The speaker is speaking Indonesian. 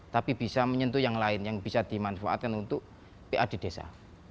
tapi bisa menyentuh yang lain yang bisa dimanfaatkan untuk pa di desa